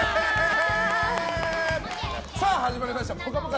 始まりました「ぽかぽか」